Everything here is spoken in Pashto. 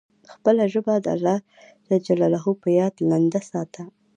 خپله ژبه تل د الله جل جلاله په یاد لنده ساته.